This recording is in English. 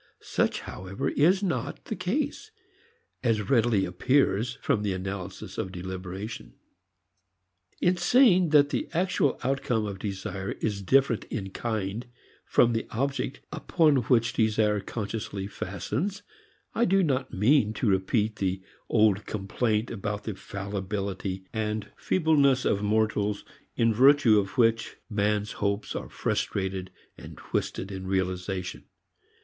Such, however, is not the case, as readily appears from the analysis of deliberation. In saying that the actual outcome of desire is different in kind from the object upon which desire consciously fastens, I do not mean to repeat the old complaint about the fallibility and feebleness of mortals in virtue of which man's hopes are frustrated and twisted in realization.